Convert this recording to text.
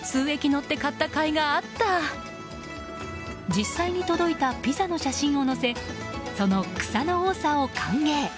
実際に届いたピザの写真をのせその草の多さを歓迎。